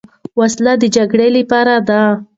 وسلې د جګړې لپاره دي.